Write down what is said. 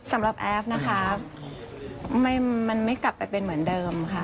สำหรับแอฟนะคะมันไม่กลับไปเป็นเหมือนเดิมค่ะ